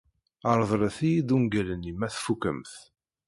Reḍlet-iyi-d ungal-nni ma tfukem-t.